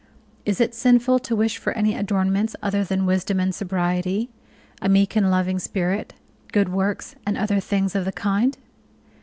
Is it sinful to wish for any adornments other than wisdom and sobriety, a meek and loving spirit, good works, and other things of the kind?